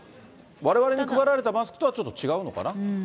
われわれに配られたマスクとはちょっと違うのかな。